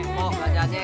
emoh gajah je